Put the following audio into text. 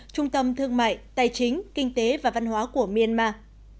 trung tâm thương mại tài chính kinh tế và văn hóa của myanmar